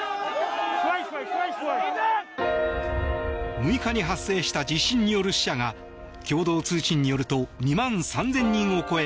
６日に発生した地震による死者が共同通信によると２万３０００人を超え